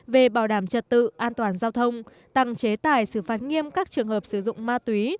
về bảo đảm trật tự an toàn giao thông tăng chế tài xử phạt nghiêm các trường hợp sử dụng ma túy